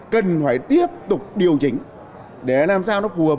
cần phải tiếp tục điều chỉnh để làm sao nó phù hợp